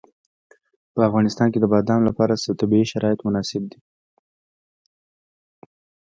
په افغانستان کې د بادام لپاره طبیعي شرایط مناسب دي.